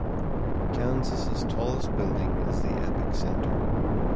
Kansas' tallest building is the Epic Center.